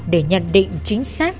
để nhận định chính xác